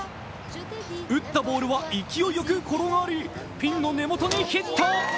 打ったボールは勢いよく転がりピンの根元にヒット。